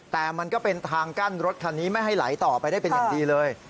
แต่มันก็เป็นทางกั้นรถคันนี้ไม่ให้ไหลต่อไปได้เป็นอย่างดีเลย